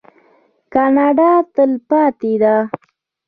کاناډا تلپاتې ده.